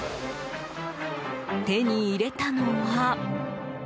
手に入れたのは。